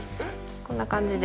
こんな感じで。